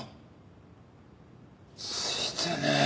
ついてねえ。